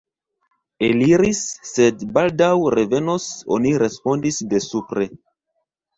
Eliris, sed baldaŭ revenos, oni respondis de supre.